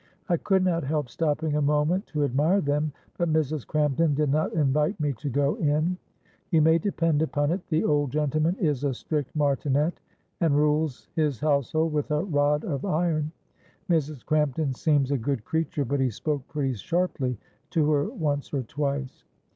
I could not help stopping a moment to admire them, but Mrs. Crampton did not invite me to go in. You may depend upon it the old gentleman is a strict martinet, and rules his household with a rod of iron. Mrs. Crampton seems a good creature, but he spoke pretty sharply to her once or twice."